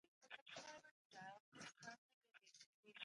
رهبري په نورو باندې د نفوذ درلودل دي.